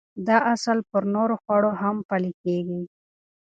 دا اصل پر نورو خوړو هم پلي کېږي.